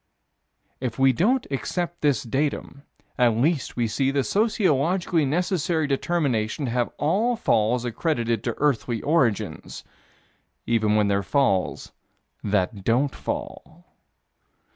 If we don't accept this datum, at least we see the sociologically necessary determination to have all falls accredited to earthly origins even when they're falls that don't fall.